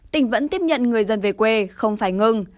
tỉnh vẫn tiếp nhận người dân về quê không phải ngừng